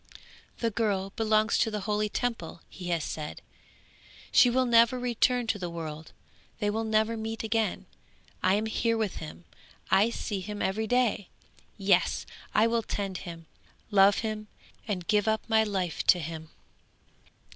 'The girl belongs to the holy Temple, he has said; she will never return to the world, they will never meet again. I am here with him; I see him every day. Yes! I will tend him, love him, and give up my life to him.'